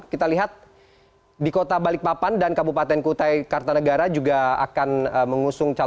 kita lihat di kota balikpapan dan kabupaten kutai kartanegara juga akan mengusung calon